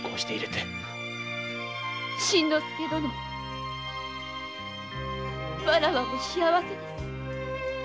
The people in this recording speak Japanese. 伸之介殿わらわも幸せです。